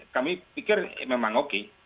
kami pikir memang oke